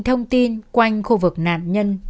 thông tin quanh khu vực nạn nhân